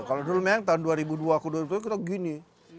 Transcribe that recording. kalau dulu memang tahun dua ribu dua ke dua ribu dua puluh kita gini